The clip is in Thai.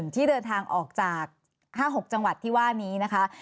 ที่เดินทางออกจาก๕๖จังหวัดที่ว่านี้นะคะ